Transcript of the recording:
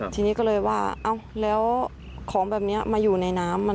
ทีนี้ก็เลยว่าแล้วของแบบนี้มาอยู่ในน้ำ